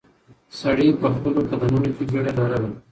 سړی په خپلو قدمونو کې بیړه لرله.